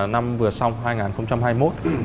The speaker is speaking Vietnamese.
năm vừa xong hai nghìn hai mươi một